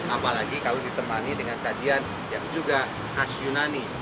apalagi kalau ditemani dengan sajian yang juga khas yunani